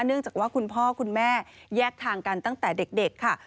เนื่องจากว่าคุณพ่อคุณแม่แยกทางกันตั้งแต่เด็กค่ะ